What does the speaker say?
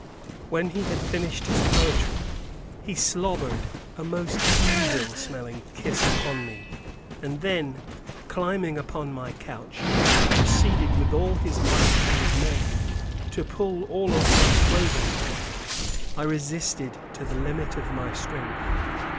When he had finished his poetry, he slobbered a most evil smelling kiss upon me, and then, climbing upon my couch, he proceeded with all his might and main to pull all of my clothing off. I resisted to the limit of my strength.